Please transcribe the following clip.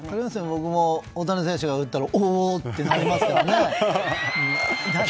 僕も大谷選手が打ったらおー！ってなりますからね。